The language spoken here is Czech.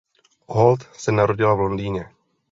Holt se narodila v Londýně.